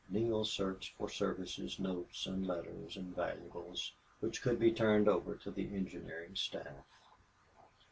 Neale searched for Service's notes and letters and valuables which could be turned over to the engineering staff.